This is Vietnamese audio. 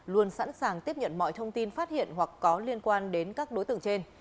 luôn sẵn sàng tiếp nhận mọi thông tin phát hiện hoặc có liên quan đến các đối tượng trên